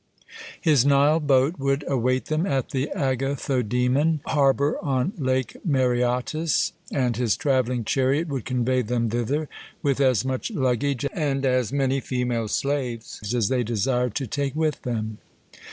His Nile boat would await them at the Agathodæmon harbour on Lake Mareotis, and his travelling chariot would convey them thither, with as much luggage and as many female slaves as they desired to take with them.